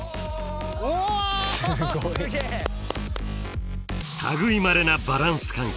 すごい！類いまれなバランス感覚。